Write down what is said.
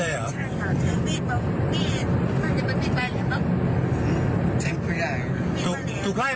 ไล่ตอน๓ทุกวินาที